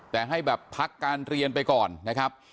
แต่ให้แบบพักการเรียนไปก่อนนะครับ